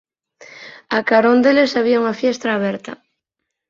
A carón deles había unha fiestra aberta.